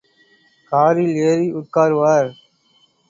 காரில் ஏறி உட்காருவார்.